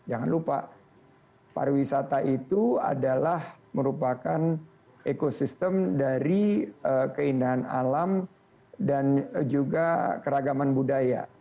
jangan lupa pariwisata itu adalah merupakan ekosistem dari keindahan alam dan juga keragaman budaya